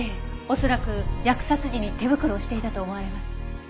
恐らく扼殺時に手袋をしていたと思われます。